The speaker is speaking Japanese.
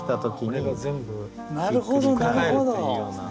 これが全部ひっくり返るっていうような。